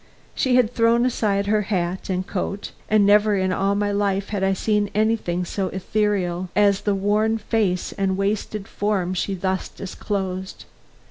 She had thrown aside her hat and coat, and never in all my life had I seen anything so ethereal as the worn face and wasted form she thus disclosed.